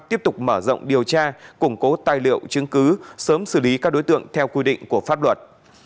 tiếp tục mở rộng điều tra củng cố tài liệu chứng cứ sớm xử lý các đối tượng theo quy định của pháp luật